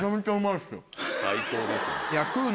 最高ですね。